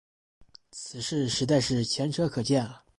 此事实在是前车可鉴啊。